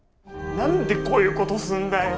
何でこういうことすんだよ。